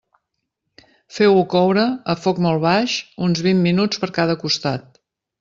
Feu-ho coure, a foc molt baix, uns vint minuts per cada costat.